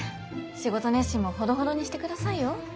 仕事熱心もほどほどにしてくださいよ